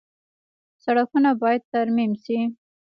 سړکونه باید ترمیم شي